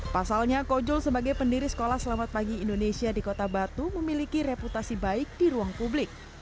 pasalnya kojol sebagai pendiri sekolah selamat pagi indonesia di kota batu memiliki reputasi baik di ruang publik